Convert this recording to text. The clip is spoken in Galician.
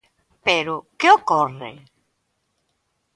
Pero ¿que ocorre?